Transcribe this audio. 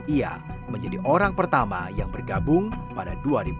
ia menjadi orang pertama yang bergabung pada dua ribu dua